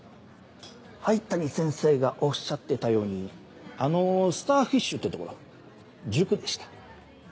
灰谷先生がおっしゃってたようにあの「スターフィッシュ」って所塾でした。